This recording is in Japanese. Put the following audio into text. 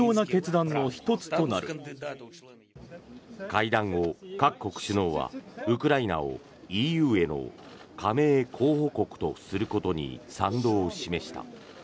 会談後、各国首脳はウクライナをＥＵへの加盟候補国とすることに賛同を示した。